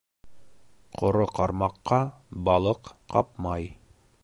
Ҡоро ҡармаҡҡа балыҡ ҡапмай.